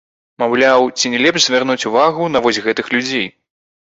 Маўляў, ці не лепш звярнуць увагу на вось гэтых людзей?